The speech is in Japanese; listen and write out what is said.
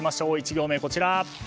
１行目はこちら。